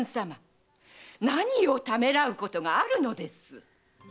何をためらうことがあるのです？